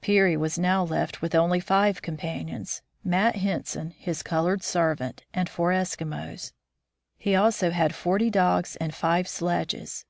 Peary was now left with only five companions, — Matt Henson, his colored servant, and four Eskimos; he also had forty dogs and five sledges.